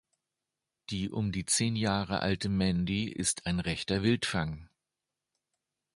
Die um die zehn Jahre alte Mandy ist ein rechter Wildfang.